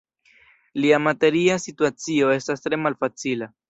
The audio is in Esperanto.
Lia materia situacio estas tre malfacila.